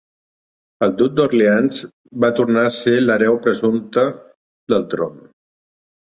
El duc d'Orleans va tornar a ser l'hereu presumpte del tron.